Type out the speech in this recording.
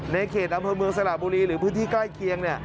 ในเขตอำเภอเมืองสระบุรีหรือพื้นที่ใกล้เคียง